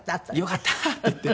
「よかった！」って言って。